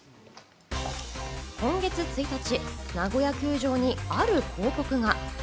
今月１日、ナゴヤ球場にある広告が。